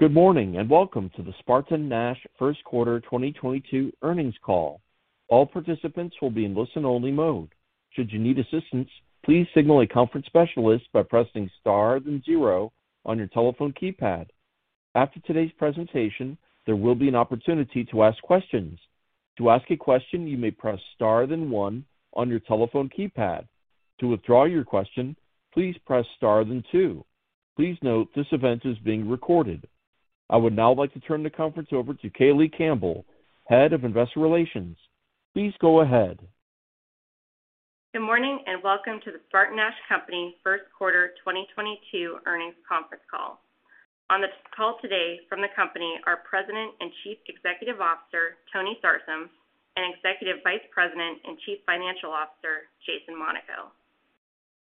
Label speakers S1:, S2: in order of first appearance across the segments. S1: Good morning, and welcome to the SpartanNash first quarter 2022 earnings call. All participants will be in listen-only mode. Should you need assistance, please signal a conference specialist by pressing star then zero on your telephone keypad. After today's presentation, there will be an opportunity to ask questions. To ask a question, you may press star then one on your telephone keypad. To withdraw your question, please press star then two. Please note this event is being recorded. I would now like to turn the conference over to Kayleigh Campbell, Head of Investor Relations. Please go ahead.
S2: Good morning, and welcome to the SpartanNash Company first quarter 2022 earnings conference call. On the call today from the company are President and Chief Executive Officer Tony Sarsam and Executive Vice President and Chief Financial Officer Jason Monaco.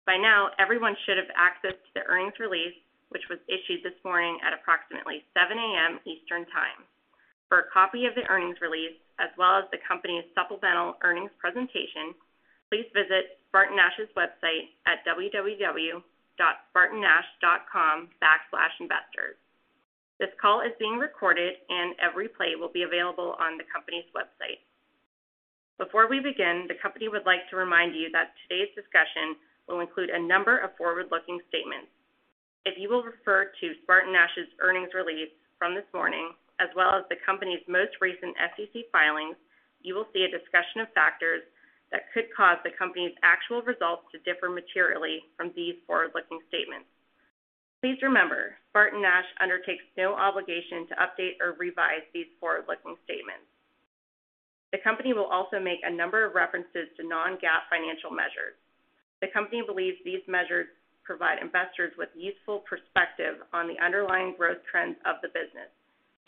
S2: By now, everyone should have access to the earnings release, which was issued this morning at approximately 7 A.M. Eastern Time. For a copy of the earnings release, as well as the company's supplemental earnings presentation, please visit SpartanNash's website at www.spartannash.com/investors. This call is being recorded, and a replay will be available on the company's website. Before we begin, the company would like to remind you that today's discussion will include a number of forward-looking statements. If you will refer to SpartanNash's earnings release from this morning, as well as the company's most recent SEC filings, you will see a discussion of factors that could cause the company's actual results to differ materially from these forward-looking statements. Please remember, SpartanNash undertakes no obligation to update or revise these forward-looking statements. The company will also make a number of references to non-GAAP financial measures. The company believes these measures provide investors with useful perspective on the underlying growth trends of the business,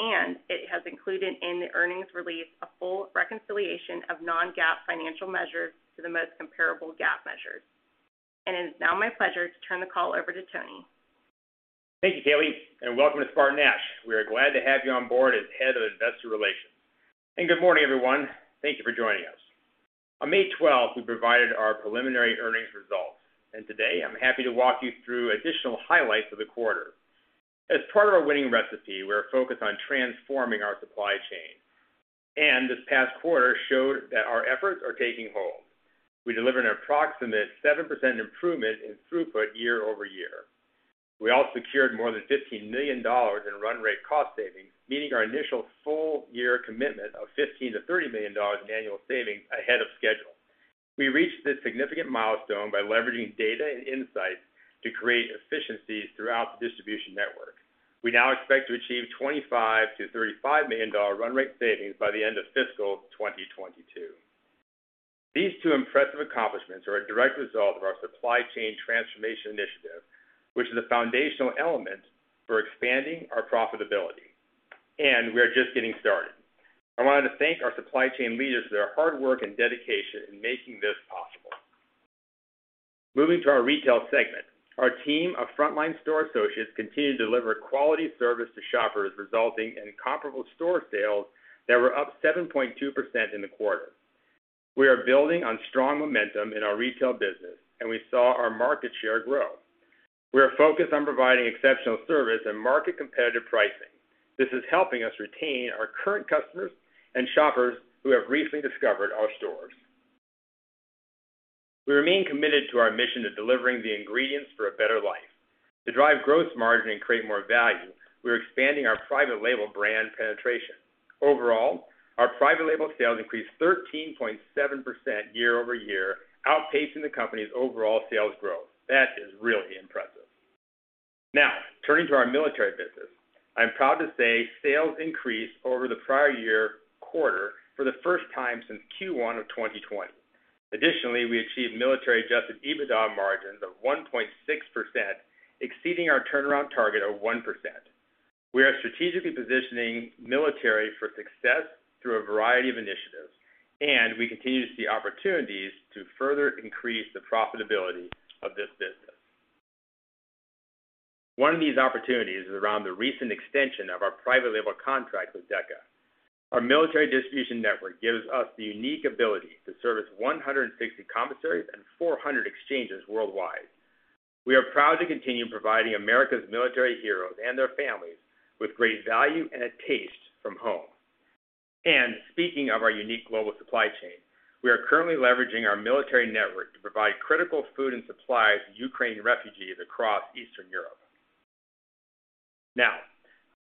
S2: and it has included in the earnings release a full reconciliation of non-GAAP financial measures to the most comparable GAAP measures. It's now my pleasure to turn the call over to Tony.
S3: Thank you, Kayleigh, and welcome to SpartanNash. We are glad to have you on board as Head of Investor Relations. Good morning, everyone. Thank you for joining us. On May 12th, we provided our preliminary earnings results, and today, I'm happy to walk you through additional highlights of the quarter. As part of our winning recipe, we're focused on transforming our supply chain, and this past quarter showed that our efforts are taking hold. We delivered an approximate 7% improvement in throughput year-over-year. We also secured more than $15 million in run rate cost savings, meeting our initial full year commitment of $15 million-$30 million in annual savings ahead of schedule. We reached this significant milestone by leveraging data and insights to create efficiencies throughout the distribution network. We now expect to achieve $25 million-$35 million run rate savings by the end of fiscal 2022. These two impressive accomplishments are a direct result of our supply chain transformation initiative, which is a foundational element for expanding our profitability, and we are just getting started. I wanted to thank our supply chain leaders for their hard work and dedication in making this possible. Moving to our retail segment. Our team of frontline store associates continue to deliver quality service to shoppers, resulting in comparable store sales that were up 7.2% in the quarter. We are building on strong momentum in our retail business, and we saw our market share grow. We are focused on providing exceptional service and market competitive pricing. This is helping us retain our current customers and shoppers who have recently discovered our stores. We remain committed to our mission of delivering the ingredients for a better life. To drive growth margin and create more value, we're expanding our private label brand penetration. Overall, our private label sales increased 13.7% year-over-year, outpacing the company's overall sales growth. That is really impressive. Now, turning to our military business. I'm proud to say sales increased over the prior year quarter for the first time since Q1 of 2020. Additionally, we achieved military adjusted EBITDA margins of 1.6%, exceeding our turnaround target of 1%. We are strategically positioning military for success through a variety of initiatives, and we continue to see opportunities to further increase the profitability of this business. One of these opportunities is around the recent extension of our private label contract with DeCA. Our military distribution network gives us the unique ability to service 160 commissaries and 400 exchanges worldwide. We are proud to continue providing America's military heroes and their families with great value and a taste from home. Speaking of our unique global supply chain, we are currently leveraging our military network to provide critical food and supplies to Ukraine refugees across Eastern Europe. Now,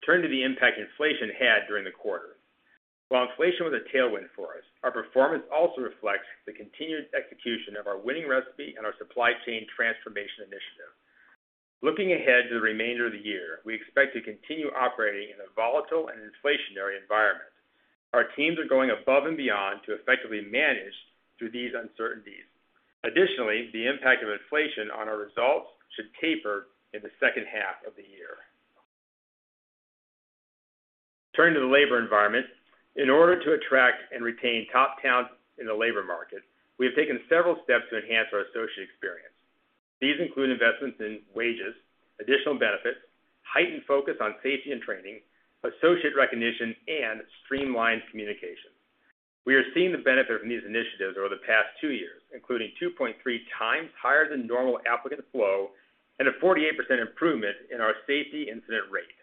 S3: turning to the impact inflation had during the quarter. While inflation was a tailwind for us, our performance also reflects the continued execution of our winning recipe and our supply chain transformation initiative. Looking ahead to the remainder of the year, we expect to continue operating in a volatile and inflationary environment. Our teams are going above and beyond to effectively manage through these uncertainties. Additionally, the impact of inflation on our results should taper in the second half of the year. Turning to the labor environment. In order to attract and retain top talent in the labor market, we have taken several steps to enhance our associate experience. These include investments in wages, additional benefits, heightened focus on safety and training, associate recognition, and streamlined communication. We are seeing the benefit from these initiatives over the past two years, including 2.3x higher than normal applicant flow and a 48% improvement in our safety incident rate.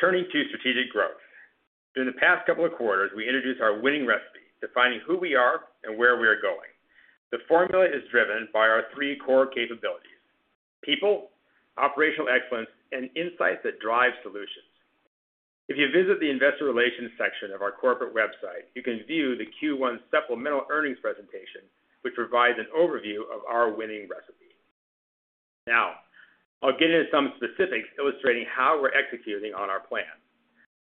S3: Turning to strategic growth. During the past couple of quarters, we introduced our winning recipe, defining who we are and where we are going. The formula is driven by our three core capabilities, people, operational excellence, and insights that drive solutions. If you visit the investor relations section of our corporate website, you can view the Q1 supplemental earnings presentation, which provides an overview of our winning recipe. Now, I'll get into some specifics illustrating how we're executing on our plan.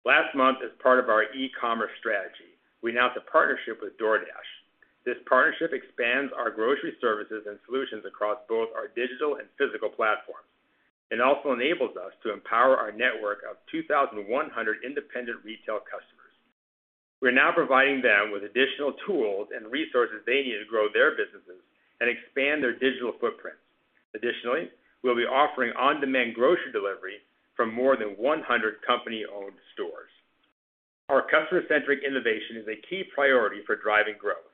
S3: Last month, as part of our e-commerce strategy, we announced a partnership with DoorDash. This partnership expands our grocery services and solutions across both our digital and physical platforms, and also enables us to empower our network of 2,100 independent retail customers. We're now providing them with additional tools and resources they need to grow their businesses and expand their digital footprints. Additionally, we'll be offering on-demand grocery delivery from more than 100 company-owned stores. Our customer-centric innovation is a key priority for driving growth.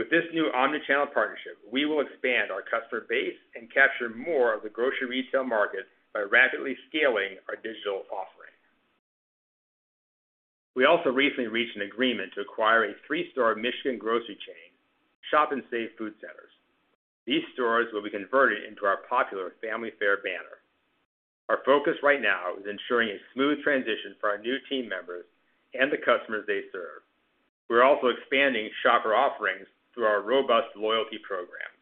S3: With this new omni-channel partnership, we will expand our customer base and capture more of the grocery retail market by rapidly scaling our digital offering. We also recently reached an agreement to acquire a three-store Michigan grocery chain, Shop-N-Save Food Centers. These stores will be converted into our popular Family Fare banner. Our focus right now is ensuring a smooth transition for our new team members and the customers they serve. We're also expanding shopper offerings through our robust loyalty programs.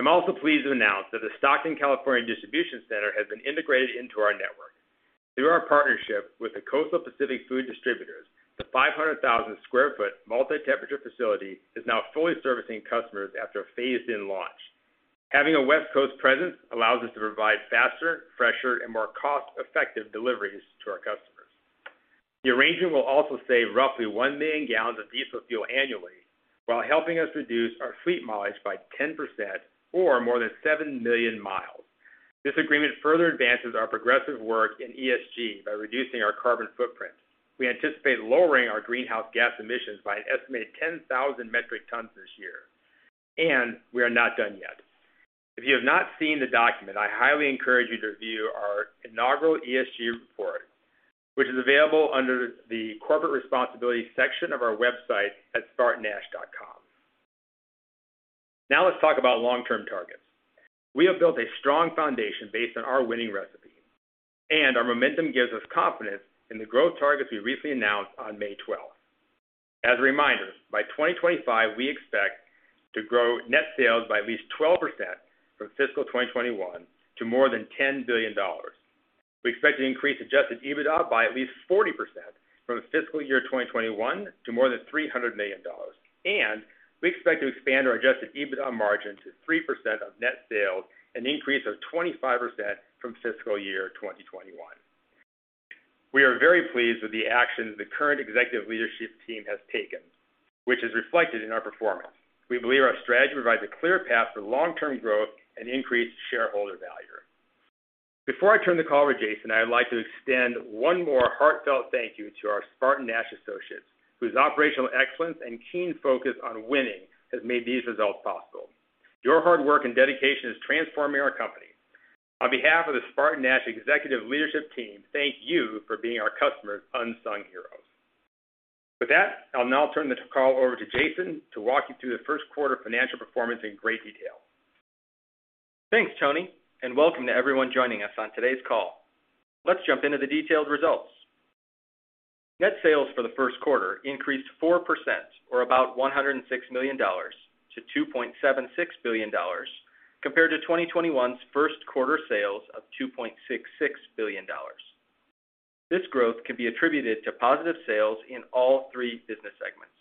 S3: I'm also pleased to announce that the Stockton, California Distribution Center has been integrated into our network. Through our partnership with the Coastal Pacific Food Distributors, the 500,000 sq ft multi-temperature facility is now fully servicing customers after a phased-in launch. Having a West Coast presence allows us to provide faster, fresher, and more cost-effective deliveries to our customers. The arrangement will also save roughly 1 million gal of diesel fuel annually while helping us reduce our fleet mileage by 10% or more than 7 million mi. This agreement further advances our progressive work in ESG by reducing our carbon footprint. We anticipate lowering our greenhouse gas emissions by an estimated 10,000 metric tons this year, and we are not done yet. If you have not seen the document, I highly encourage you to review our inaugural ESG report, which is available under the corporate responsibility section of our website at spartannash.com. Now, let's talk about long-term targets. We have built a strong foundation based on our winning recipe, and our momentum gives us confidence in the growth targets we recently announced on May 12th. As a reminder, by 2025, we expect to grow net sales by at least 12% from fiscal 2021 to more than $10 billion. We expect to increase adjusted EBITDA by at least 40% from fiscal year 2021 to more than $300 million, and we expect to expand our adjusted EBITDA margin to 3% of net sales, an increase of 25% from fiscal year 2021. We are very pleased with the actions the current executive leadership team has taken, which is reflected in our performance. We believe our strategy provides a clear path for long-term growth and increased shareholder value. Before I turn the call over to Jason, I'd like to extend one more heartfelt thank you to our SpartanNash associates, whose operational excellence and keen focus on winning has made these results possible. Your hard work and dedication is transforming our company. On behalf of the SpartanNash executive leadership team, thank you for being our customer's unsung heroes. With that, I'll now turn the call over to Jason to walk you through the first quarter financial performance in great detail.
S4: Thanks, Tony, and welcome to everyone joining us on today's call. Let's jump into the detailed results. Net sales for the first quarter increased 4% or about $106 million to $2.76 billion compared to 2021's first quarter sales of $2.66 billion. This growth can be attributed to positive sales in all three business segments.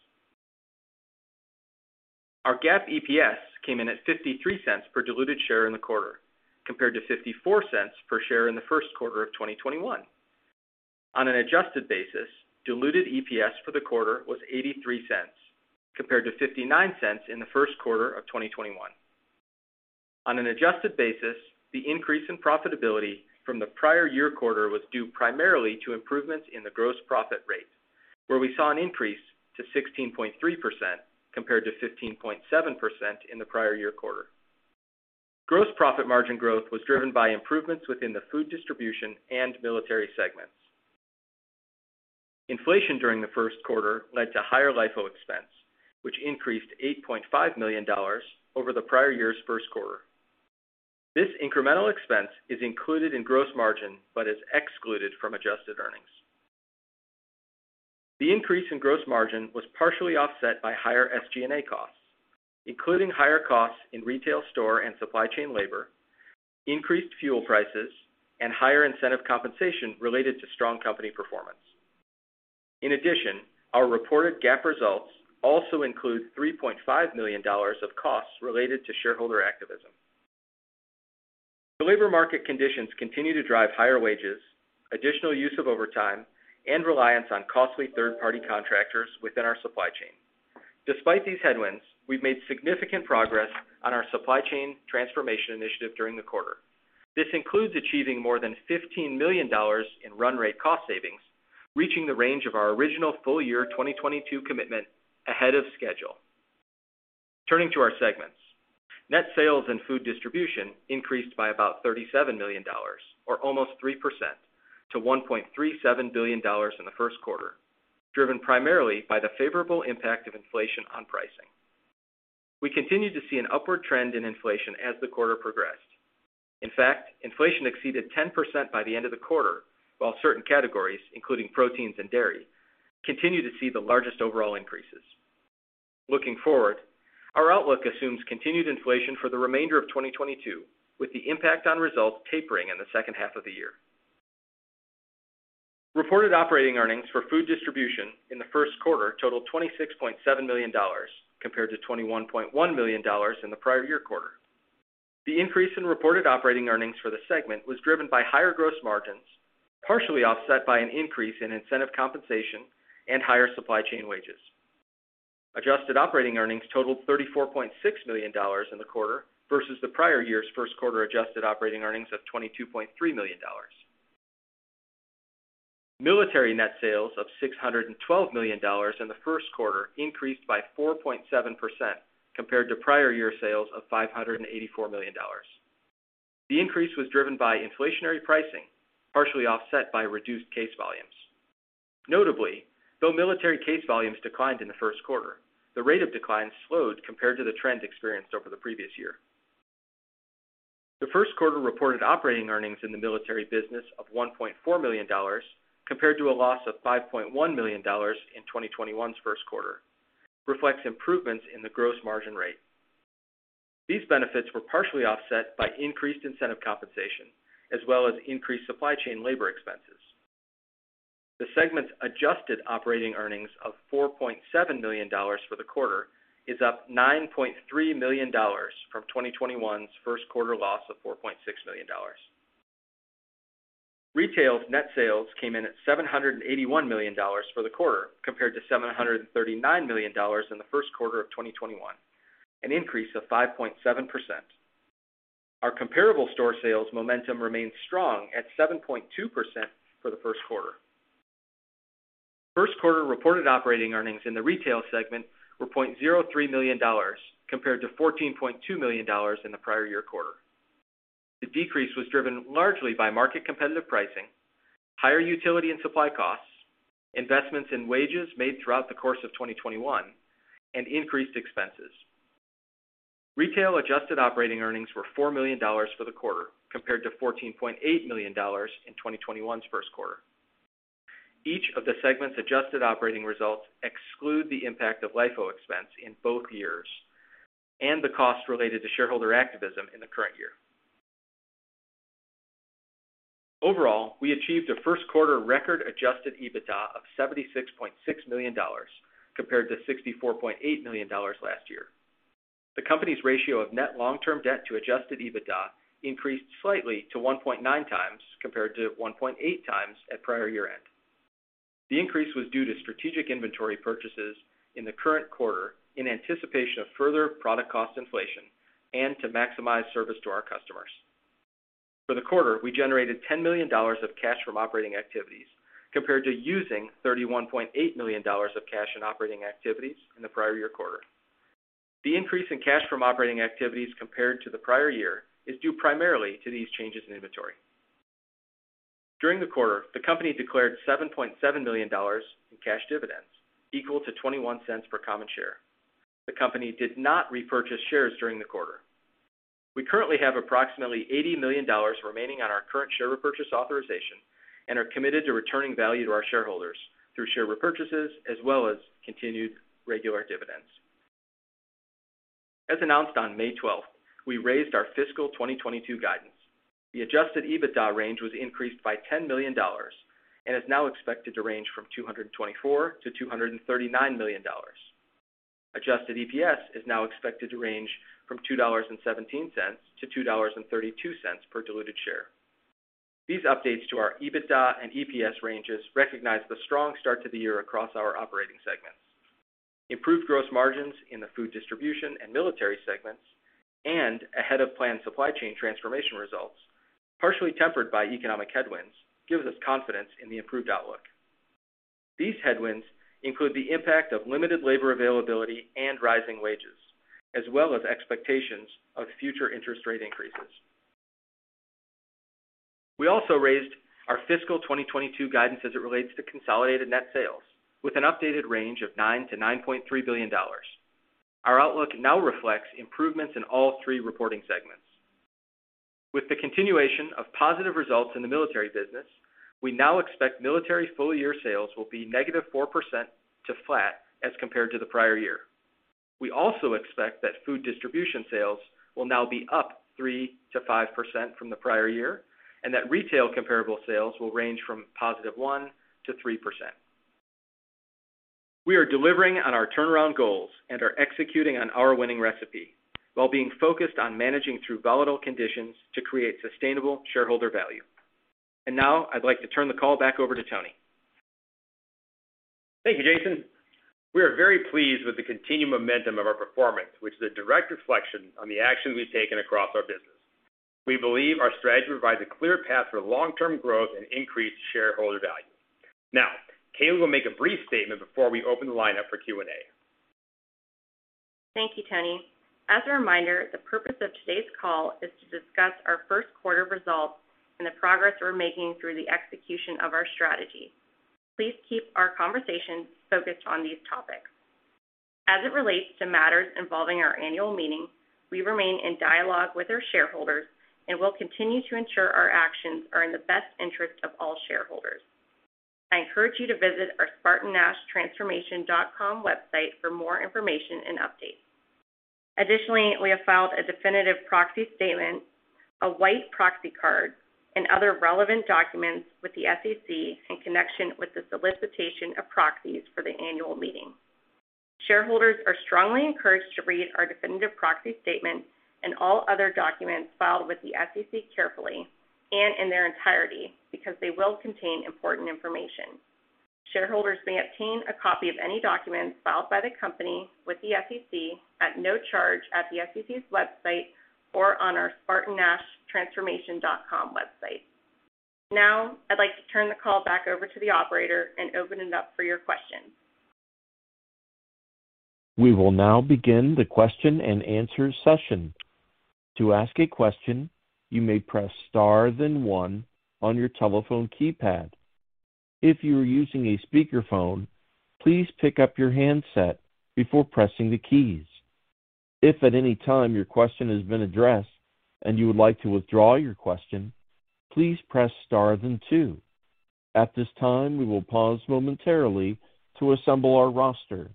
S4: Our GAAP EPS came in at $0.53 per diluted share in the quarter, compared to $0.54 per share in the first quarter of 2021. On an adjusted basis, diluted EPS for the quarter was $0.83, compared to $0.59 in the first quarter of 2021. On an adjusted basis, the increase in profitability from the prior year quarter was due primarily to improvements in the gross profit rate, where we saw an increase to 16.3% compared to 15.7% in the prior year quarter. Gross profit margin growth was driven by improvements within the food distribution and military segments. Inflation during the first quarter led to higher LIFO expense, which increased $8.5 million over the prior year's first quarter. This incremental expense is included in gross margin but is excluded from adjusted earnings. The increase in gross margin was partially offset by higher SG&A costs, including higher costs in retail store and supply chain labor, increased fuel prices, and higher incentive compensation related to strong company performance. In addition, our reported GAAP results also include $3.5 million of costs related to shareholder activism. The labor market conditions continue to drive higher wages, additional use of overtime, and reliance on costly third-party contractors within our supply chain. Despite these headwinds, we've made significant progress on our supply chain transformation initiative during the quarter. This includes achieving more than $15 million in run rate cost savings, reaching the range of our original full year 2022 commitment ahead of schedule. Turning to our segments. Net sales and food distribution increased by about $37 million, or almost 3% to $1.37 billion in the first quarter, driven primarily by the favorable impact of inflation on pricing. We continued to see an upward trend in inflation as the quarter progressed. In fact, inflation exceeded 10% by the end of the quarter, while certain categories, including proteins and dairy, continue to see the largest overall increases. Looking forward, our outlook assumes continued inflation for the remainder of 2022, with the impact on results tapering in the second half of the year. Reported operating earnings for food distribution in the first quarter totaled $26.7 million, compared to $21.1 million in the prior year quarter. The increase in reported operating earnings for the segment was driven by higher gross margins, partially offset by an increase in incentive compensation and higher supply chain wages. Adjusted operating earnings totaled $34.6 million in the quarter versus the prior year's first quarter adjusted operating earnings of $22.3 million. Military net sales of $612 million in the first quarter increased by 4.7% compared to prior year sales of $584 million. The increase was driven by inflationary pricing, partially offset by reduced case volumes. Notably, though military case volumes declined in the first quarter, the rate of decline slowed compared to the trends experienced over the previous year. The first quarter reported operating earnings in the military business of $1.4 million compared to a loss of $5.1 million in 2021's first quarter. This reflects improvements in the gross margin rate. These benefits were partially offset by increased incentive compensation as well as increased supply chain labor expenses. The segment's adjusted operating earnings of $4.7 million for the quarter is up $9.3 million from 2021's first quarter loss of $4.6 million. Retail's net sales came in at $781 million for the quarter, compared to $739 million in the first quarter of 2021, an increase of 5.7%. Our comparable store sales momentum remains strong at 7.2% for the first quarter. First quarter reported operating earnings in the retail segment were $0.03 million compared to $14.2 million in the prior year quarter. The decrease was driven largely by market competitive pricing, higher utility and supply costs, investments in wages made throughout the course of 2021, and increased expenses. Retail adjusted operating earnings were $4 million for the quarter, compared to $14.8 million in 2021's first quarter. Each of the segment's adjusted operating results exclude the impact of LIFO expense in both years and the costs related to shareholder activism in the current year. Overall, we achieved a first quarter record adjusted EBITDA of $76.6 million, compared to $64.8 million last year. The company's ratio of net long-term debt to adjusted EBITDA increased slightly to 1.9x, compared to 1.8x at prior year-end. The increase was due to strategic inventory purchases in the current quarter in anticipation of further product cost inflation and to maximize service to our customers. For the quarter, we generated $10 million of cash from operating activities, compared to using $31.8 million of cash in operating activities in the prior year quarter. The increase in cash from operating activities compared to the prior year is due primarily to these changes in inventory. During the quarter, the company declared $7.7 million in cash dividends, equal to $0.21 per common share. The company did not repurchase shares during the quarter. We currently have approximately $80 million remaining on our current share repurchase authorization and are committed to returning value to our shareholders through share repurchases as well as continued regular dividends. As announced on May 12th, we raised our fiscal 2022 guidance. The adjusted EBITDA range was increased by $10 million and is now expected to range from $224 million-$239 million. Adjusted EPS is now expected to range from $2.17-$2.32 per diluted share. These updates to our EBITDA and EPS ranges recognize the strong start to the year across our operating segments. Improved gross margins in the food distribution and military segments and ahead of plan supply chain transformation results, partially tempered by economic headwinds, gives us confidence in the improved outlook. These headwinds include the impact of limited labor availability and rising wages, as well as expectations of future interest rate increases. We also raised our fiscal 2022 guidance as it relates to consolidated net sales with an updated range of $9 billion-$9.3 billion. Our outlook now reflects improvements in all three reporting segments. With the continuation of positive results in the military business, we now expect military full year sales will be -4% to flat as compared to the prior year. We also expect that food distribution sales will now be up 3%-5% from the prior year, and that retail comparable sales will range from +1% to 3%. We are delivering on our turnaround goals and are executing on our winning recipe while being focused on managing through volatile conditions to create sustainable shareholder value. Now I'd like to turn the call back over to Tony.
S3: Thank you, Jason. We are very pleased with the continued momentum of our performance, which is a direct reflection on the actions we've taken across our business. We believe our strategy provides a clear path for long-term growth and increased shareholder value. Now, Kayleigh will make a brief statement before we open the line up for Q&A.
S4: Thank you, Tony. As a reminder, the purpose of today's call is to discuss our first quarter results and the progress we're making through the execution of our strategy. Please keep our conversation focused on these topics. As it relates to matters involving our annual meeting, we remain in dialogue with our shareholders, and we'll continue to ensure our actions are in the best interest of all shareholders. I encourage you to visit our spartannashtransformation.com website for more information and updates. Additionally, we have filed a definitive proxy statement, a white proxy card, and other relevant documents with the SEC in connection with the solicitation of proxies for the annual meeting. Shareholders are strongly encouraged to read our definitive proxy statement and all other documents filed with the SEC carefully and in their entirety because they will contain important information.
S2: Shareholders may obtain a copy of any documents filed by the company with the SEC at no charge at the SEC's website or on our spartannashtransformation.com website. Now, I'd like to turn the call back over to the operator and open it up for your questions.
S1: We will now begin the question-and-answer session. To ask a question, you may press star then one on your telephone keypad. If you are using a speakerphone, please pick up your handset before pressing the keys. If at any time your question has been addressed and you would like to withdraw your question, please press star then two. At this time, we will pause momentarily to assemble our roster.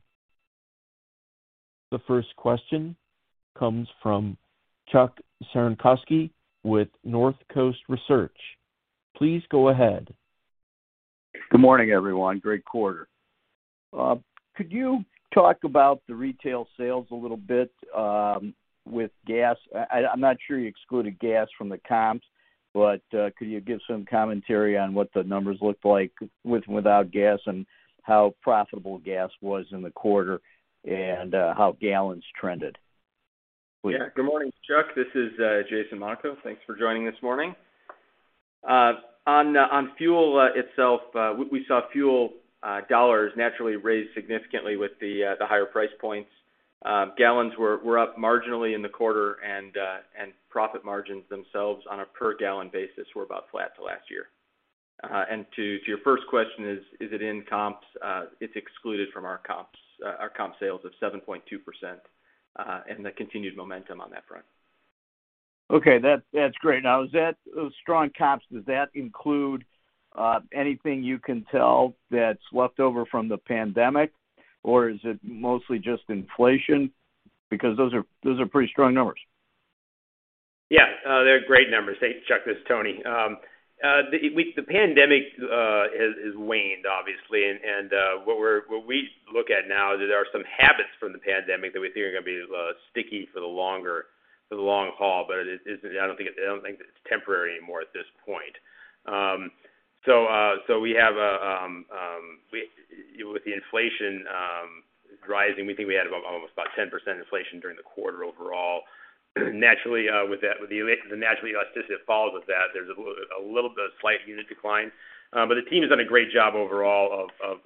S1: The first question comes from Chuck Cerankosky with Northcoast Research. Please go ahead.
S5: Good morning, everyone. Great quarter. Could you talk about the retail sales a little bit with gas? I'm not sure you excluded gas from the comps, but could you give some commentary on what the numbers look like with and without gas and how profitable gas was in the quarter and how gallons trended, please?
S4: Yeah. Good morning, Chuck. This is Jason Monaco. Thanks for joining this morning. On fuel itself, we saw fuel dollars naturally rise significantly with the higher price points. Gallons were up marginally in the quarter and profit margins themselves on a per gallon basis were about flat to last year. To your first question, is it in comps? It's excluded from our comps. Our comp sales of 7.2% and the continued momentum on that front.
S5: Okay. That's great. Now those strong comps, does that include anything you can tell that's left over from the pandemic, or is it mostly just inflation? Because those are pretty strong numbers.
S3: Yeah. They're great numbers. Hey, Chuck, this is Tony. The pandemic has waned obviously. What we look at now is there are some habits from the pandemic that we think are gonna be sticky for the long haul. I don't think it's temporary anymore at this point. We have with the inflation rising, we think we had almost about 10% inflation during the quarter overall. Naturally, just as it follows with that, there's a little bit slight unit decline. The team has done a great job overall of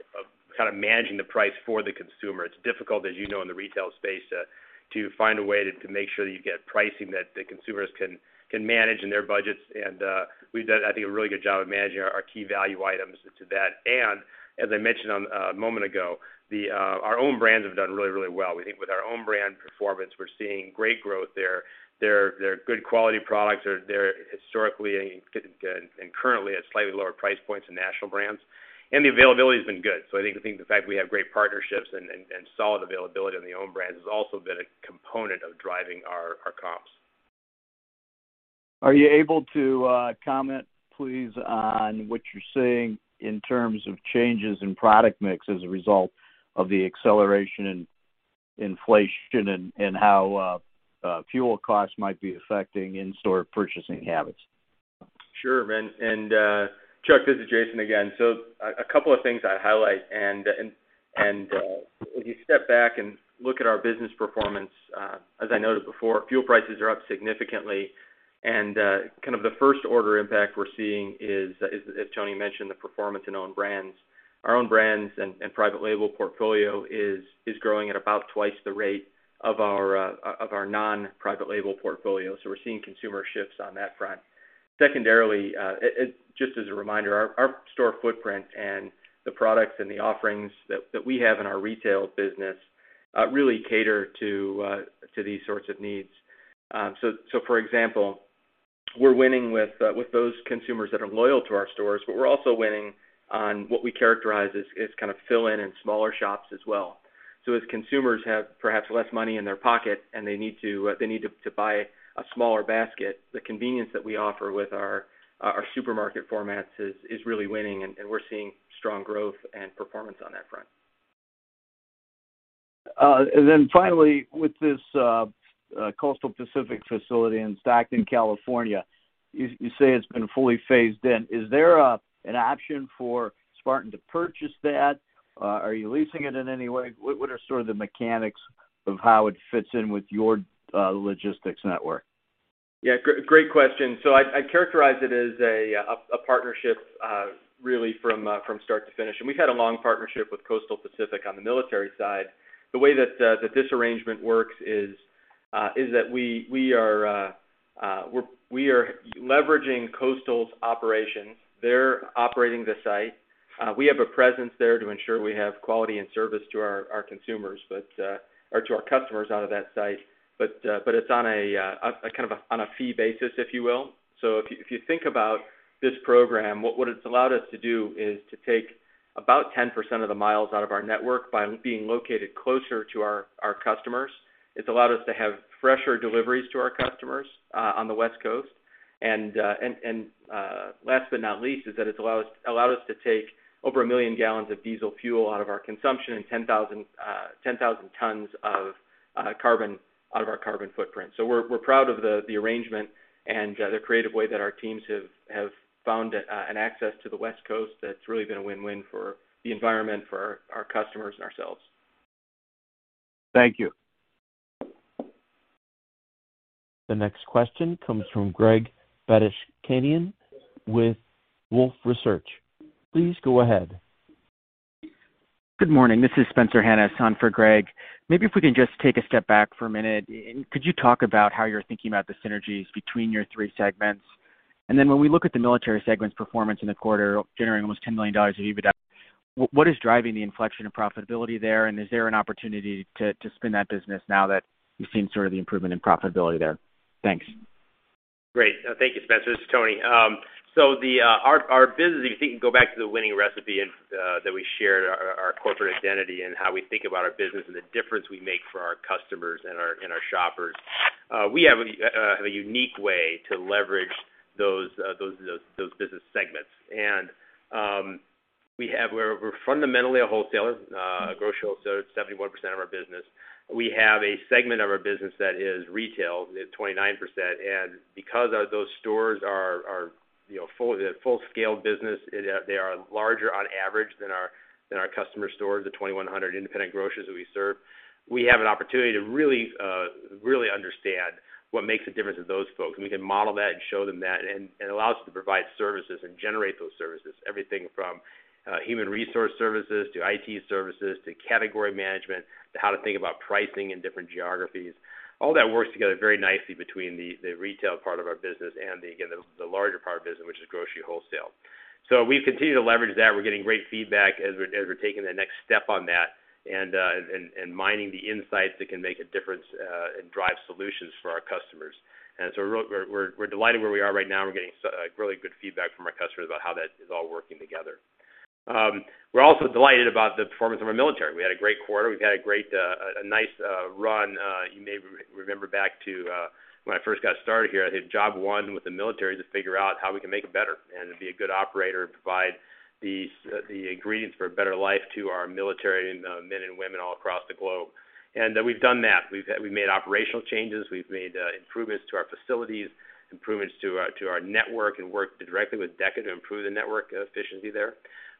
S3: kind of managing the price for the consumer. It's difficult, as you know, in the retail space, to find a way to make sure that you get pricing that the consumers can manage in their budgets. We've done, I think, a really good job of managing our key value items to that. As I mentioned a moment ago, our own brands have done really well. We think with our own brand performance, we're seeing great growth there. They're good quality products. They're historically and currently at slightly lower price points than national brands, and the availability's been good. I think the fact we have great partnerships and solid availability on the own brands has also been a component of driving our comps.
S5: Are you able to comment, please, on what you're seeing in terms of changes in product mix as a result of the acceleration in inflation and how fuel costs might be affecting in-store purchasing habits?
S4: Sure. Chuck, this is Jason again. A couple of things I'd highlight. If you step back and look at our business performance, as I noted before, fuel prices are up significantly. Kind of the first order impact we're seeing is, as Tony mentioned, the performance in own brands. Our own brands and private label portfolio is growing at about twice the rate of our non-private label portfolio. We're seeing consumer shifts on that front. Secondarily, just as a reminder, our store footprint and the products and the offerings that we have in our retail business really cater to these sorts of needs. For example, we're winning with those consumers that are loyal to our stores, but we're also winning on what we characterize as kind of fill-in in smaller shops as well. Consumers have perhaps less money in their pocket, and they need to buy a smaller basket. The convenience that we offer with our supermarket formats is really winning, and we're seeing strong growth and performance on that front.
S5: Finally with this Coastal Pacific facility in Stockton, California, you say it's been fully phased in. Is there an option for Spartan to purchase that? Are you leasing it in any way? What are sort of the mechanics of how it fits in with your logistics network?
S4: Great question. I'd characterize it as a partnership, really from start to finish. We've had a long partnership with Coastal Pacific on the military side. The way that this arrangement works is that we are leveraging Coastal's operations. They're operating the site. We have a presence there to ensure we have quality and service to our consumers, or to our customers out of that site. But it's on a kind of a fee basis, if you will. If you think about this program, what it's allowed us to do is to take about 10% of the miles out of our network by being located closer to our customers. It's allowed us to have fresher deliveries to our customers on the West Coast. Last but not least, it's allowed us to take over 1 million gal of diesel fuel out of our consumption and 10,000 tons of carbon out of our carbon footprint. We're proud of the arrangement and the creative way that our teams have found an access to the West Coast that's really been a win-win for the environment, for our customers and ourselves.
S5: Thank you.
S1: The next question comes from Greg Badishkanian with Wolfe Research. Please go ahead.
S6: Good morning. This is Spencer Hanus, on for Greg. Maybe if we can just take a step back for a minute, could you talk about how you're thinking about the synergies between your three segments? When we look at the military segment's performance in the quarter, generating almost $10 million of EBITDA, what is driving the inflection and profitability there? Is there an opportunity to spin that business now that you've seen sort of the improvement in profitability there? Thanks.
S3: Great. Thank you, Spencer. This is Tony. Our business, if you go back to the winning recipe and that we shared our corporate identity and how we think about our business and the difference we make for our customers and our shoppers, we have a unique way to leverage those business segments. We're fundamentally a wholesaler, a grocer wholesaler, 71% of our business. We have a segment of our business that is retail, at 29%. Because of those stores are, you know, full-scale business, they are larger on average than our customer stores, the 2,100 independent grocers that we serve. We have an opportunity to really really understand what makes a difference with those folks. We can model that and show them that. It allows us to provide services and generate those services. Everything from human resource services to IT services, to category management, to how to think about pricing in different geographies. All that works together very nicely between the retail part of our business and, again, the larger part of business, which is grocery wholesale. We continue to leverage that. We're getting great feedback as we're taking the next step on that and mining the insights that can make a difference and drive solutions for our customers. We're delighted where we are right now. We're getting really good feedback from our customers about how that is all working together. We're also delighted about the performance of our military. We had a great quarter. We've had a great, a nice, run. You may remember back to when I first got started here, I had job one with the military to figure out how we can make it better and to be a good operator and provide the ingredients for a better life to our military and men and women all across the globe. We've done that. We've made operational changes. We've made improvements to our facilities, improvements to our network, and worked directly with DeCA to improve the network efficiency there.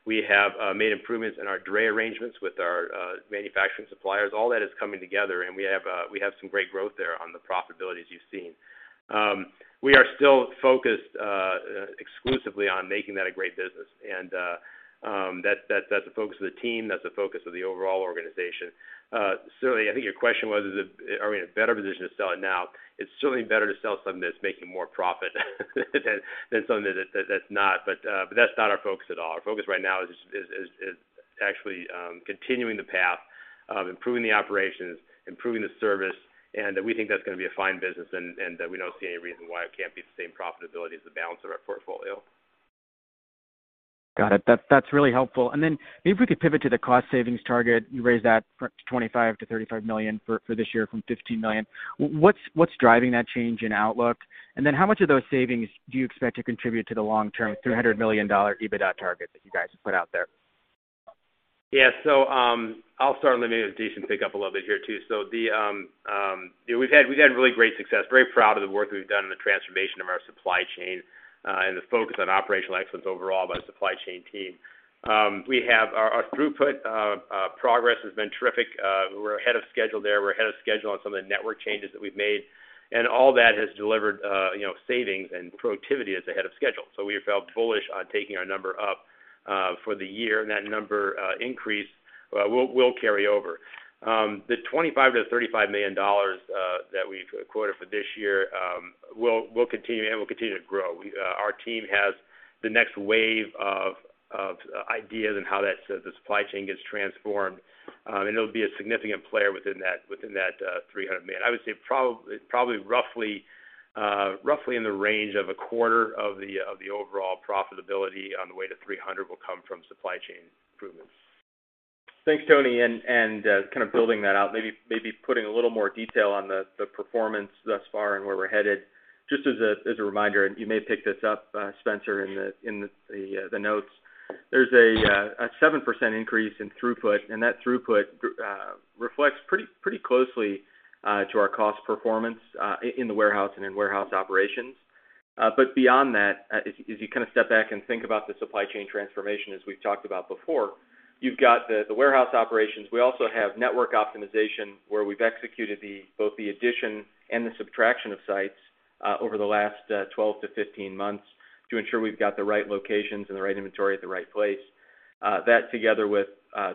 S3: We have made improvements in our dray arrangements with our manufacturing suppliers. All that is coming together, and we have some great growth there on the profitability as you've seen. We are still focused exclusively on making that a great business. That's the focus of the team. That's the focus of the overall organization. Certainly, I think your question was, are we in a better position to sell it now? It's certainly better to sell something that's making more profit than something that's not. That's not our focus at all. Our focus right now is actually continuing the path of improving the operations, improving the service, and we think that's gonna be a fine business, and we don't see any reason why it can't be the same profitability as the balance of our portfolio.
S6: Got it. That's really helpful. Maybe if we could pivot to the cost savings target, you raised that from $25 million-$35 million for this year from $15 million. What's driving that change in outlook? How much of those savings do you expect to contribute to the long-term $300 million EBITDA target that you guys have put out there?
S3: I'll start and then maybe Jason pick up a little bit here too. We've had really great success. Very proud of the work we've done in the transformation of our supply chain and the focus on operational excellence overall by the supply chain team. Our throughput progress has been terrific. We're ahead of schedule there. We're ahead of schedule on some of the network changes that we've made. All that has delivered, you know, savings and productivity that's ahead of schedule. We felt bullish on taking our number up for the year, and that number increase will carry over. The $25 million-$35 million that we've quoted for this year will continue and continue to grow. Our team has the next wave of ideas on how the supply chain gets transformed, and it'll be a significant player within that $300 million. I would say roughly in the range of a quarter of the overall profitability on the way to $300 million will come from supply chain improvements.
S4: Thanks, Tony. Kind of building that out, maybe putting a little more detail on the performance thus far and where we're headed. Just as a reminder, you may pick this up, Spencer, in the notes. There's a 7% increase in throughput, and that throughput reflects pretty closely. To our cost performance in the warehouse and in warehouse operations. Beyond that, as you kind of step back and think about the supply chain transformation as we've talked about before, you've got the warehouse operations. We also have network optimization, where we've executed both the addition and the subtraction of sites over the last 12-15 months to ensure we've got the right locations and the right inventory at the right place. That together with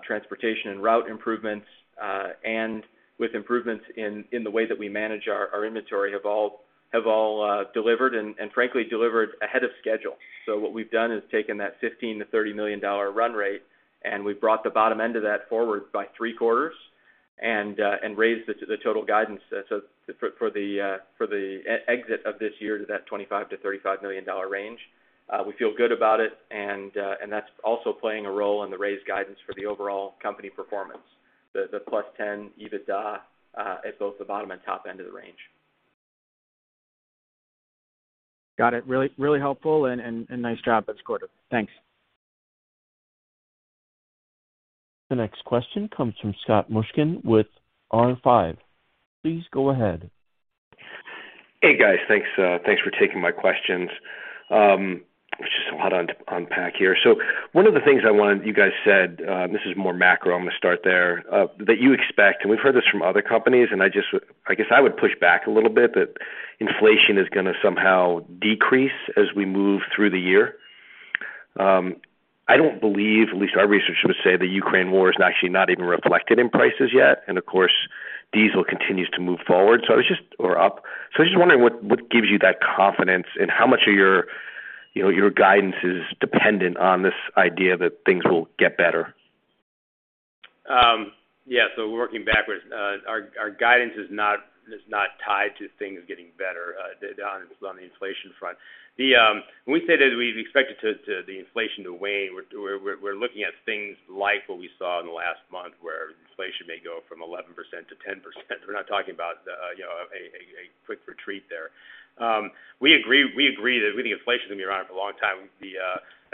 S4: transportation and route improvements and with improvements in the way that we manage our inventory have all delivered and frankly delivered ahead of schedule. What we've done is taken that $15 million-$30 million run rate, and we've brought the bottom end of that forward by three quarters and raised the total guidance, so for the exit of this year to that $25 million-$35 million range. We feel good about it, and that's also playing a role in the raised guidance for the overall company performance. The +10 EBITDA at both the bottom and top end of the range.
S6: Got it. Really helpful and nice job at quarter. Thanks.
S1: The next question comes from Scott Mushkin with R5. Please go ahead.
S7: Hey, guys. Thanks for taking my questions. There's just a lot to unpack here. One of the things I wanted. You guys said this is more macro, I'm gonna start there, that you expect, and we've heard this from other companies, and I guess I would push back a little bit, that inflation is gonna somehow decrease as we move through the year. I don't believe, at least our research would say the Ukraine war is actually not even reflected in prices yet, and of course, diesel continues to move up. I was just wondering what gives you that confidence, and how much of your, you know, your guidance is dependent on this idea that things will get better?
S3: Yeah, working backwards, our guidance is not tied to things getting better on the inflation front. When we say that we expect the inflation to wane, we're looking at things like what we saw in the last month where inflation may go from 11% to 10%. We're not talking about, you know, a quick retreat there. We agree that we think inflation is gonna be around for a long time.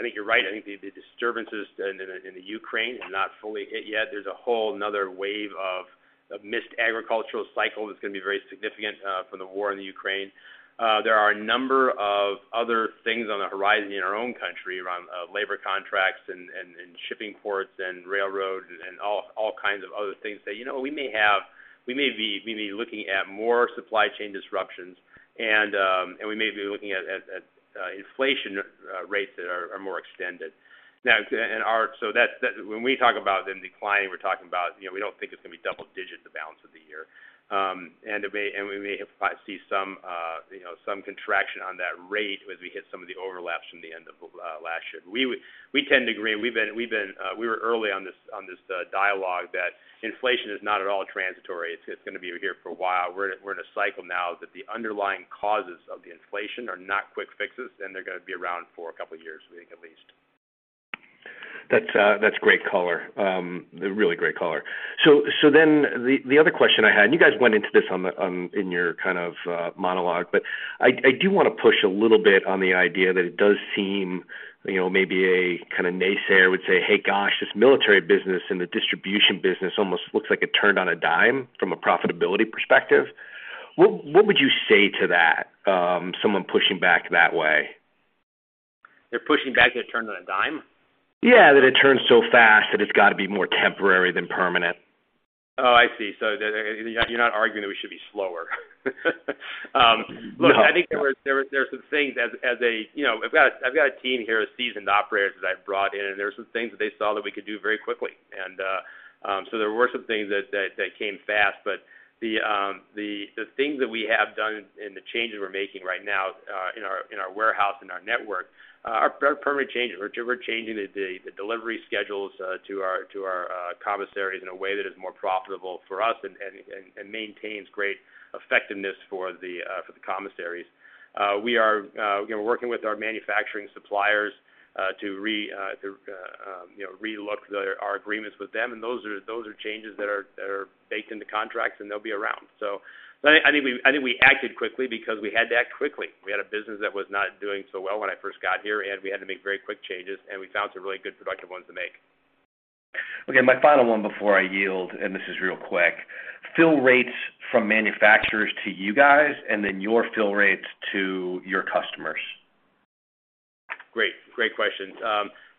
S3: I think you're right. I think the disturbances in the Ukraine have not fully hit yet. There's a whole 'nother wave of missed agricultural cycle that's gonna be very significant from the war in the Ukraine. There are a number of other things on the horizon in our own country around labor contracts and shipping ports and railroads and all kinds of other things that, you know, we may be looking at more supply chain disruptions and we may be looking at inflation rates that are more extended. That's when we talk about them declining, we're talking about, you know, we don't think it's gonna be double digits the balance of the year. We may, if I see some, you know, some contraction on that rate as we hit some of the overlaps from the end of last year. We tend to agree, and we were early on this dialogue that inflation is not at all transitory. It's gonna be here for a while. We're in a cycle now that the underlying causes of the inflation are not quick fixes, and they're gonna be around for a couple of years, we think at least.
S7: That's great color. Really great color. So then the other question I had, and you guys went into this in your kind of monologue, but I do wanna push a little bit on the idea that it does seem, you know, maybe a kind of naysayer would say, "Hey, gosh, this military business and the distribution business almost looks like it turned on a dime from a profitability perspective." What would you say to that, someone pushing back that way?
S3: They're pushing back that it turned on a dime?
S7: Yeah, that it turned so fast that it's gotta be more temporary than permanent.
S3: Oh, I see. You're not arguing that we should be slower. Look, I think there are some things. You know, I've got a team here of seasoned operators that I've brought in, and there are some things that they saw that we could do very quickly. There were some things that came fast. The things that we have done and the changes we're making right now in our warehouse and our network are permanent changes. We're changing the delivery schedules to our commissaries in a way that is more profitable for us and maintains great effectiveness for the commissaries. We are, you know, working with our manufacturing suppliers to, you know, re-look at our agreements with them, and those are changes that are baked into contracts and they'll be around. I think we acted quickly because we had to act quickly. We had a business that was not doing so well when I first got here, and we had to make very quick changes, and we found some really good productive ones to make.
S7: Okay, my final one before I yield, and this is real quick. Fill rates from manufacturers to you guys and then your fill rates to your customers.
S3: Great. Great question.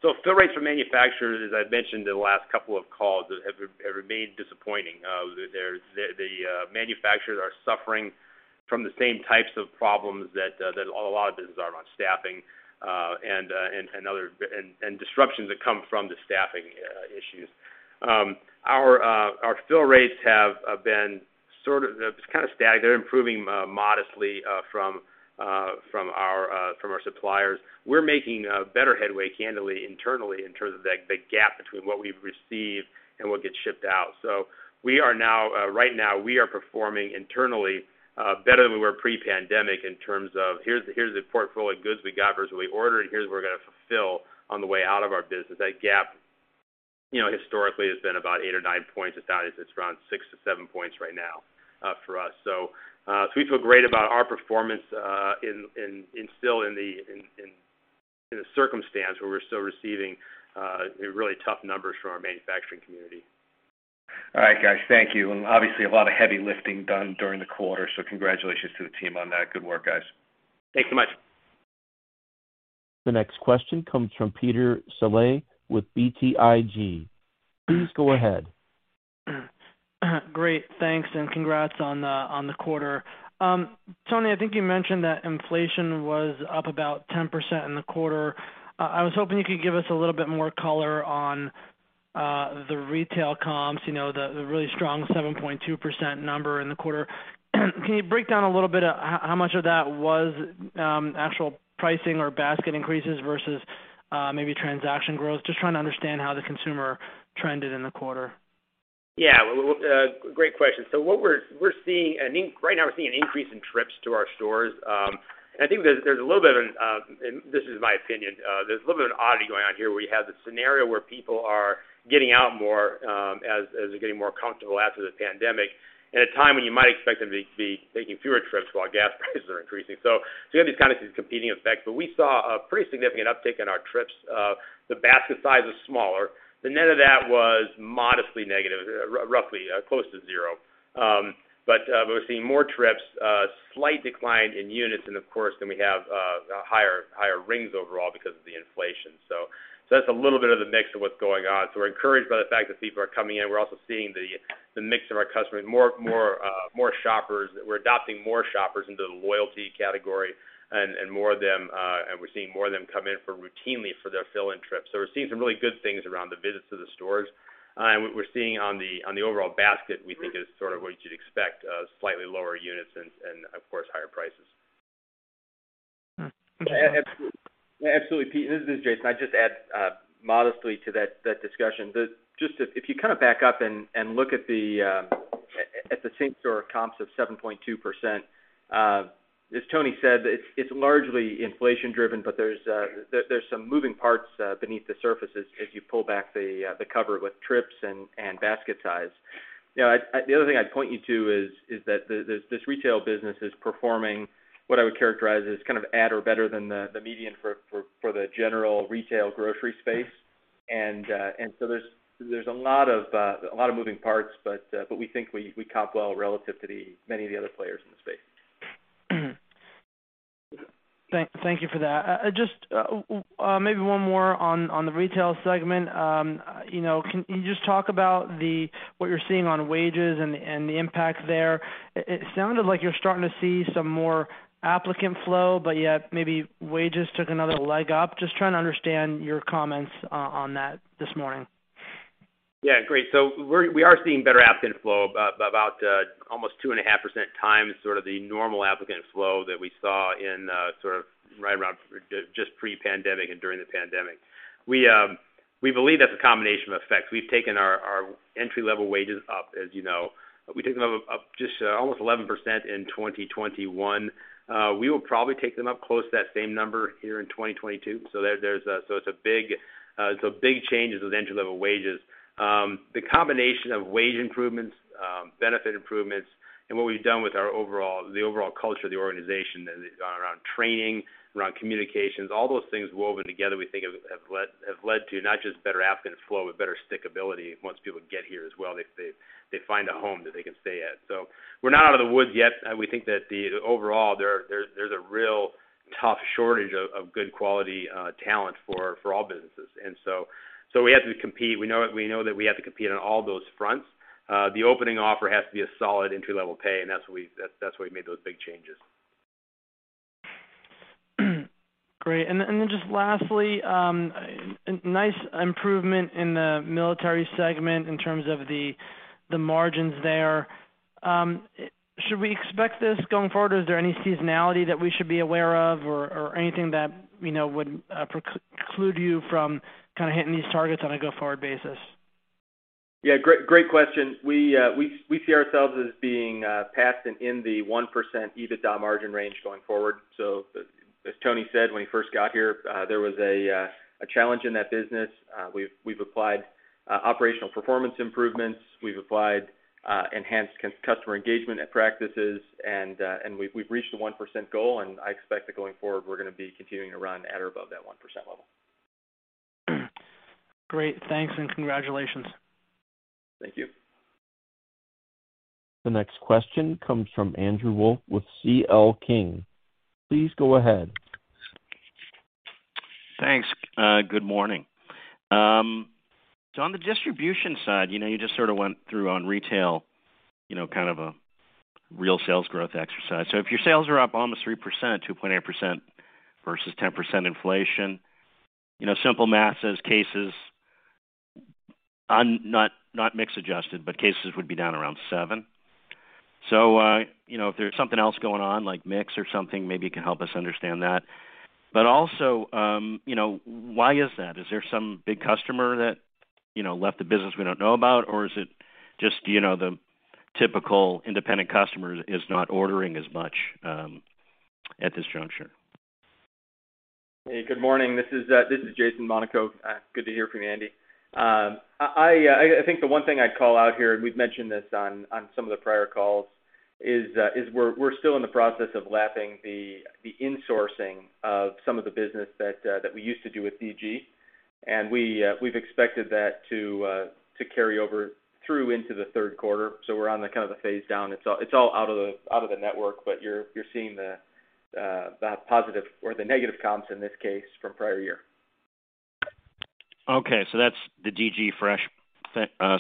S3: Fill rates for manufacturers, as I've mentioned in the last couple of calls, have remained disappointing. Manufacturers are suffering from the same types of problems that a lot of businesses are around staffing and other disruptions that come from the staffing issues. Our fill rates have been sort of kind of stagnant. They're improving modestly from our suppliers. We're making better headway candidly internally in terms of the gap between what we've received and what gets shipped out. We are now right now we are performing internally better than we were pre-pandemic in terms of here's the portfolio of goods we got versus what we ordered, here's what we're gonna fulfill on the way out of our business. That gap, you know, historically has been about eight or nine points. It's down to just around six-seven points right now for us. We feel great about our performance in a circumstance where we're still receiving really tough numbers from our manufacturing community.
S7: All right, guys, thank you. Obviously a lot of heavy lifting done during the quarter, so congratulations to the team on that. Good work, guys.
S3: Thanks so much.
S1: The next question comes from Peter Saleh with BTIG. Please go ahead.
S8: Great. Thanks, and congrats on the quarter. Tony, I think you mentioned that inflation was up about 10% in the quarter. I was hoping you could give us a little bit more color on the retail comps, you know, the really strong 7.2% number in the quarter. Can you break down a little bit how much of that was actual pricing or basket increases versus maybe transaction growth? Just trying to understand how the consumer trended in the quarter.
S3: Yeah. Well, great question. Right now we're seeing an increase in trips to our stores. I think, and this is my opinion, there's a little bit of an oddity going on here where you have the scenario where people are getting out more, as they're getting more comfortable after the pandemic, at a time when you might expect them to be making fewer trips while gas prices are increasing. We have these kind of competing effects. We saw a pretty significant uptick in our trips. The basket size is smaller. The net of that was modestly negative, roughly, close to zero. We're seeing more trips, slight decline in units and of course, then we have higher rings overall because of the inflation. That's a little bit of the mix of what's going on. We're encouraged by the fact that people are coming in. We're also seeing the mix of our customers. More shoppers. We're adopting more shoppers into the loyalty category and more of them and we're seeing more of them come in routinely for their fill-in trips. We're seeing some really good things around the visits to the stores. We're seeing on the overall basket, we think is sort of what you'd expect, slightly lower units and of course, higher prices.
S8: Mm.
S4: Absolutely, Pete, this is Jason. I'd just add modestly to that discussion. Just if you kind of back up and look at the same store comps of 7.2%, as Tony said, it's largely inflation driven, but there's some moving parts beneath the surface as you pull back the cover with trips and basket size. You know, the other thing I'd point you to is that this retail business is performing what I would characterize as kind of at or better than the median for the general retail grocery space. So there's a lot of moving parts, but we think we comp well relative to the many of the other players in the space.
S8: Thank you for that. Just maybe one more on the retail segment. You know, can you just talk about what you're seeing on wages and the impact there? It sounded like you're starting to see some more applicant flow, but yet maybe wages took another leg up. Just trying to understand your comments on that this morning.
S3: Yeah, great. We are seeing better applicant flow, about almost 2.5x sort of the normal applicant flow that we saw in sort of right around just pre-pandemic and during the pandemic. We believe that's a combination of effects. We've taken our entry-level wages up, as you know. We took them up just almost 11% in 2021. We will probably take them up close to that same number here in 2022. There's a big change with entry-level wages. The combination of wage improvements, benefit improvements and what we've done with our overall culture of the organization around training, around communications, all those things woven together, we think have led to not just better applicant flow, but better stickability once people get here as well. They find a home that they can stay at. We're not out of the woods yet. We think that overall, there's a real tough shortage of good quality talent for all businesses. We have to compete. We know that we have to compete on all those fronts. The opening offer has to be a solid entry-level pay, and that's why we made those big changes.
S8: Great. Just lastly, nice improvement in the military segment in terms of the margins there. Should we expect this going forward, or is there any seasonality that we should be aware of or anything that, you know, would preclude you from kind of hitting these targets on a go-forward basis?
S4: Yeah, great question. We see ourselves as being past and in the 1% EBITDA margin range going forward. As Tony said when he first got here, there was a challenge in that business. We've applied operational performance improvements. We've applied enhanced customer engagement practices. We've reached the 1% goal, and I expect that going forward, we're gonna be continuing to run at or above that 1% level.
S8: Great. Thanks, and congratulations.
S4: Thank you.
S1: The next question comes from Andrew Wolf with C.L. King. Please go ahead.
S9: Thanks. Good morning. On the distribution side, you know, you just sort of went through on retail, you know, kind of a real sales growth exercise. If your sales are up almost 3%, 2.8% versus 10% inflation, you know, simple math says cases, not mix adjusted, but cases would be down around 7%. If there's something else going on like mix or something, maybe you can help us understand that. But also, you know, why is that? Is there some big customer that, you know, left the business we don't know about? Or is it just, you know, the typical independent customer is not ordering as much at this juncture?
S4: Hey, good morning. This is Jason Monaco. Good to hear from you, Andy. I think the one thing I'd call out here, and we've mentioned this on some of the prior calls, is we're still in the process of lapping the insourcing of some of the business that we used to do with DG. We've expected that to carry over through into the third quarter. We're on the kind of the phase down. It's all out of the network, but you're seeing the positive or the negative comps in this case from prior year.
S9: Okay. That's the DG Fresh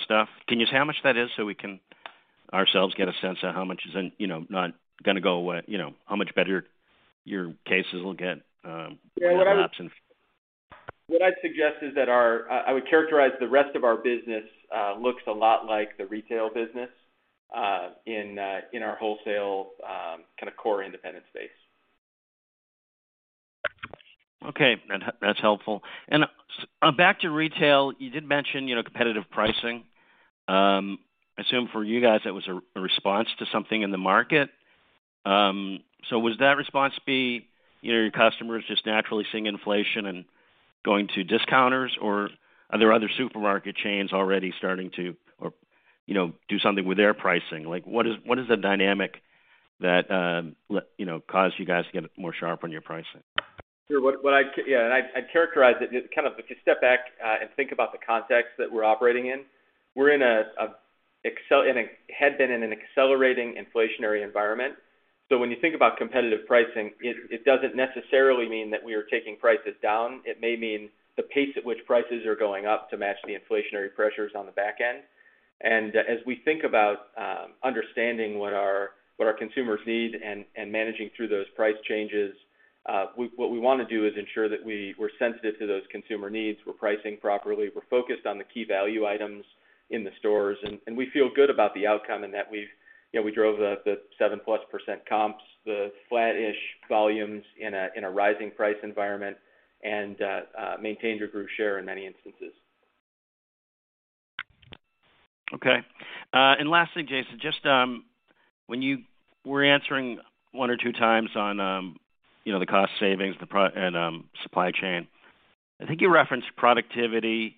S9: stuff. Can you say how much that is so we can ourselves get a sense of how much is, you know, not gonna go away. You know, how much better your cases will get.
S4: What I'd suggest is that I would characterize the rest of our business looks a lot like the retail business in our wholesale kind of core independent space.
S9: Okay. That's helpful. Back to retail, you did mention, you know, competitive pricing. I assume for you guys that was a response to something in the market. Was that response, you know, your customers just naturally seeing inflation and going to discounters? Or are there other supermarket chains already starting to or, you know, do something with their pricing? Like, what is the dynamic that, you know, cause you guys to get more sharp on your pricing?
S4: Sure. I'd characterize it kind of if you step back and think about the context that we're operating in. We had been in an accelerating inflationary environment. When you think about competitive pricing, it doesn't necessarily mean that we are taking prices down. It may mean the pace at which prices are going up to match the inflationary pressures on the back end. As we think about understanding what our consumers need and managing through those price changes, what we wanna do is ensure that we're sensitive to those consumer needs. We're pricing properly. We're focused on the key value items in the stores, and we feel good about the outcome and that we've, you know, we drove the 7%+ comps, the flat-ish volumes in a rising price environment, and maintained or grew share in many instances.
S9: Okay. Lastly, Jason, just, when you were answering one or two times on, you know, the cost savings, supply chain, I think you referenced productivity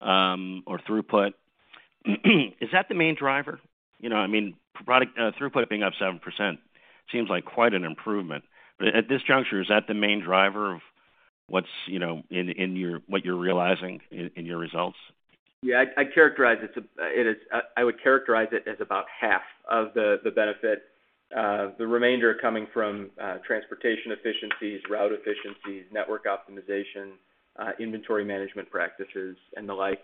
S9: or throughput. Is that the main driver? You know, I mean, product throughput being up 7% seems like quite an improvement. At this juncture, is that the main driver of what's, you know, what you're realizing in your results?
S4: Yeah. I would characterize it as about half of the benefit, the remainder coming from transportation efficiencies, route efficiencies, network optimization, inventory management practices and the like.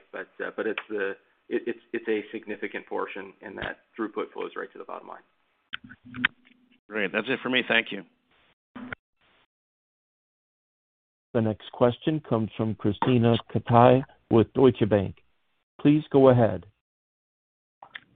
S4: It's a significant portion and that throughput flows right to the bottom line.
S9: Great. That's it for me. Thank you.
S1: The next question comes from Krisztina Katai with Deutsche Bank. Please go ahead.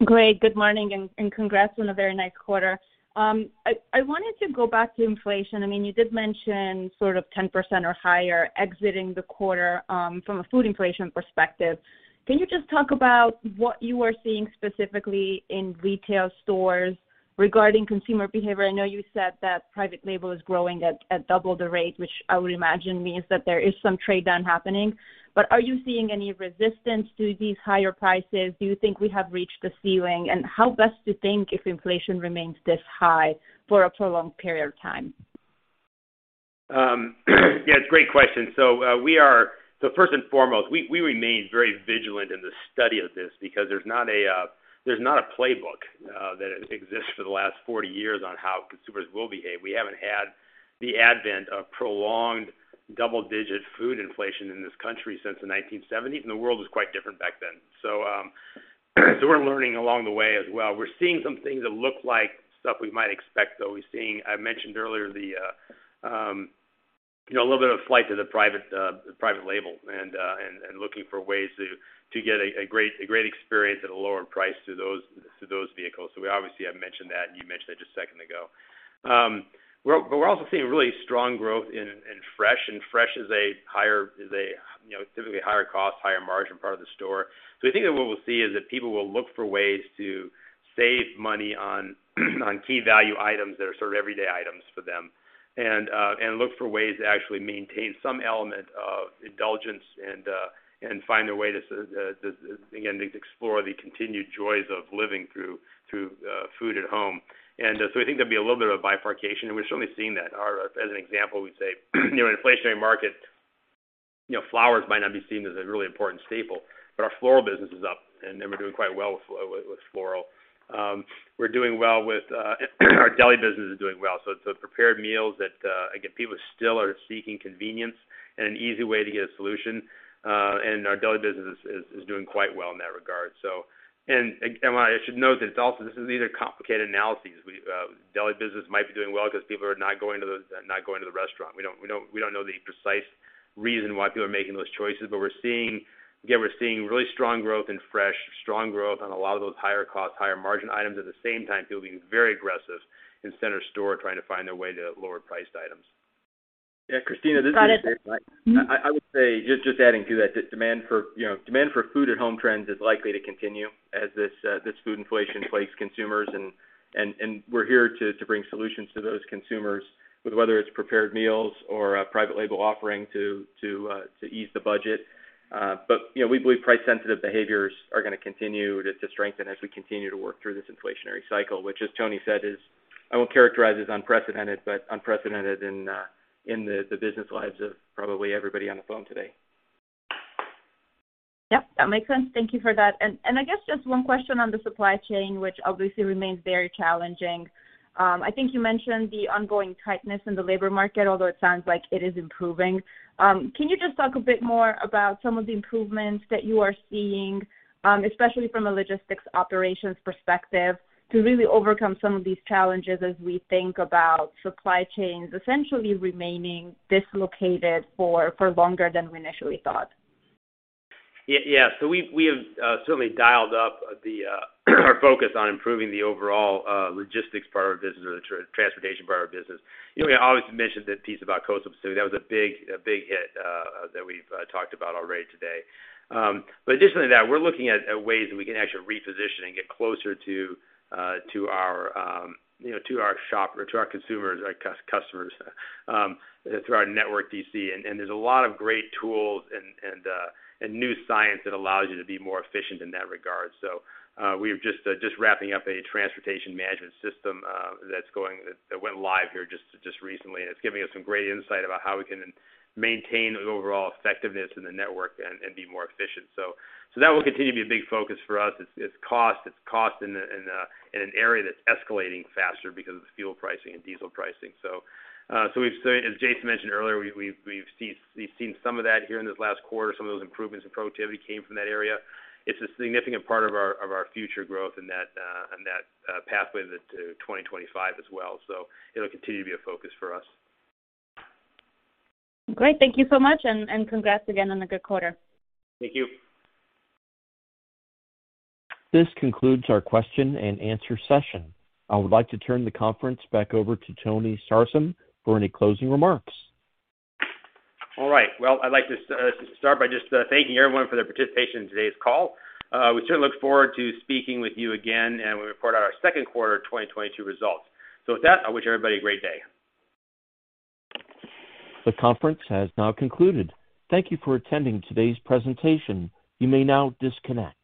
S10: Great. Good morning and congrats on a very nice quarter. I wanted to go back to inflation. I mean, you did mention sort of 10% or higher exiting the quarter, from a food inflation perspective. Can you just talk about what you are seeing specifically in retail stores regarding consumer behavior? I know you said that private label is growing at double the rate, which I would imagine means that there is some trade down happening. But are you seeing any resistance to these higher prices? Do you think we have reached the ceiling? How best to think if inflation remains this high for a prolonged period of time?
S3: Yeah, it's a great question. First and foremost, we remain very vigilant in the study of this because there's not a playbook that exists for the last 40 years on how consumers will behave. We haven't had the advent of prolonged double-digit food inflation in this country since the 1970s, and the world was quite different back then. We're learning along the way as well. We're seeing some things that look like stuff we might expect, though. We're seeing. I mentioned earlier the you know, a little bit of flight to the private label and looking for ways to get a great experience at a lower price through those vehicles. We obviously have mentioned that, and you mentioned that just a second ago. We're also seeing really strong growth in fresh, and fresh is a higher, you know, typically higher cost, higher margin part of the store. I think that what we'll see is that people will look for ways to save money on key value items that are sort of everyday items for them, and look for ways to actually maintain some element of indulgence and find a way to again explore the continued joys of living through food at home. I think there'll be a little bit of a bifurcation, and we're certainly seeing that. As an example, we'd say, you know, inflationary market, you know, flowers might not be seen as a really important staple, but our floral business is up, and we're doing quite well with floral. We're doing well with our deli business, which is doing well. It's the prepared meals that again people still are seeking convenience and an easy way to get a solution. And our deli business is doing quite well in that regard. Again, what I should note is that it's also a bit of a complicated analysis. Our deli business might be doing well because people are not going to the restaurant. We don't know the precise reason why people are making those choices. We're seeing, again, really strong growth in fresh, strong growth on a lot of those higher cost, higher margin items. At the same time, people being very aggressive in center store, trying to find their way to lower priced items.
S4: Yeah, Krisztina, this is Jason. I would say, just adding to that, demand for, you know, food at home trends is likely to continue as this food inflation plagues consumers and we're here to bring solutions to those consumers with whether it's prepared meals or a private label offering to ease the budget. You know, we believe price sensitive behaviors are gonna continue to strengthen as we continue to work through this inflationary cycle, which, as Tony said, is. I won't characterize as unprecedented, but unprecedented in the business lives of probably everybody on the phone today.
S10: Yep, that makes sense. Thank you for that. I guess just one question on the supply chain, which obviously remains very challenging. I think you mentioned the ongoing tightness in the labor market, although it sounds like it is improving. Can you just talk a bit more about some of the improvements that you are seeing, especially from a logistics operations perspective, to really overcome some of these challenges as we think about supply chains essentially remaining dislocated for longer than we initially thought?
S3: Yeah. We have certainly dialed up our focus on improving the overall logistics part of our business or the transportation part of our business. You know, we obviously mentioned that piece about. That was a big hit that we've talked about already today. Additionally to that, we're looking at ways that we can actually reposition and get closer to, you know, our stores or to our consumers, our customers through our network DC. There's a lot of great tools and new science that allows you to be more efficient in that regard. We're just wrapping up a transportation management system that went live here just recently, and it's giving us some great insight about how we can maintain the overall effectiveness in the network and be more efficient. That will continue to be a big focus for us. It's cost in an area that's escalating faster because of the fuel pricing and diesel pricing. We've certainly. As Jason mentioned earlier, we've seen some of that here in this last quarter. Some of those improvements in productivity came from that area. It's a significant part of our future growth and that pathway to 2025 as well. It'll continue to be a focus for us.
S10: Great. Thank you so much, and congrats again on the good quarter.
S3: Thank you.
S1: This concludes our question-and-answer session. I would like to turn the conference back over to Tony Sarsam for any closing remarks.
S3: All right. Well, I'd like to start by just thanking everyone for their participation in today's call. We certainly look forward to speaking with you again when we report our second quarter of 2022 results. With that, I wish everybody a great day.
S1: The conference has now concluded. Thank you for attending today's presentation. You may now disconnect.